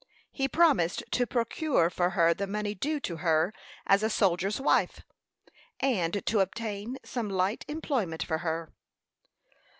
He promised to procure for her the money due to her as a soldier's wife, and to obtain some light employment for her.